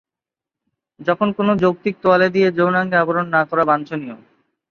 যখন কোনও যৌক্তিক তোয়ালে দিয়ে যৌনাঙ্গে আবরণ না করা বাঞ্ছনীয়।